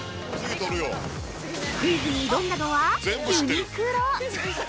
クイズに挑んだのはユニクロ。